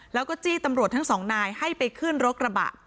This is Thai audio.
แล้วก็จี้ตำรวจทั้งสองนายให้ไปขึ้นรถกระบะ